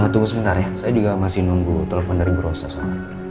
tunggu sementar ya saya juga masih nunggu telepon dari bu rosa soalnya